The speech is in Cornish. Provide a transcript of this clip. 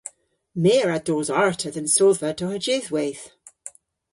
My a wra dos arta dhe'n sodhva dohajydhweyth.